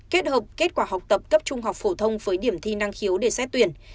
kết hợp kết quả học tập cấp trung học phổ thông với điểm thi năng khiếu để xét tuyển